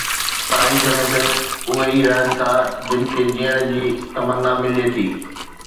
تاريخ ۾ صرف اهي ئي رهن ٿا جن کي جيئڻ جي تمنا ملي ٿي.